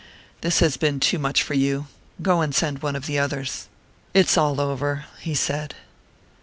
"This has been too much for you go and send one of the others.... It's all over," he said.